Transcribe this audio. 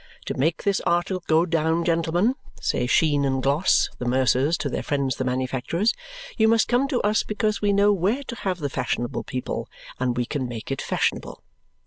"To make this article go down, gentlemen," say Sheen and Gloss, the mercers, to their friends the manufacturers, "you must come to us, because we know where to have the fashionable people, and we can make it fashionable."